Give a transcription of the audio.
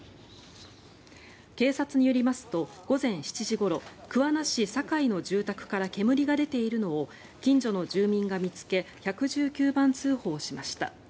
警察によりますと、午前７時ごろ桑名市坂井の住宅から煙が出ているのを近所の住民が見つけ１１９番通報しました。